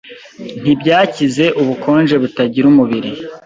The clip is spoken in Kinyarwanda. ntibyakize Ubukonje butagira umubiri